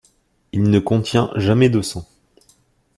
Il ne contient jamais de sang.